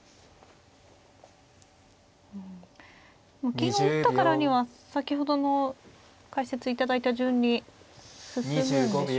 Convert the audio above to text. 金を打ったからには先ほどの解説頂いた順に進むんでしょうか。